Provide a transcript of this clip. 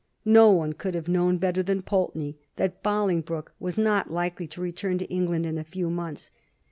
'^ No one could have known better than Pulteney that Bolingbroke was not likely to return to England in a few months.